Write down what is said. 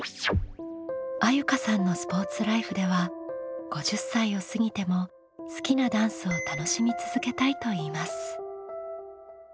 あゆかさんのスポーツライフでは５０歳を過ぎても好きなダンスを楽しみ続けたいといいます。